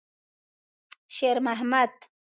شېرمحمد.